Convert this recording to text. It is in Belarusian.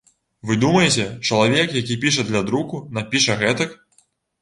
Вы думаеце, чалавек, які піша для друку, напіша гэтак?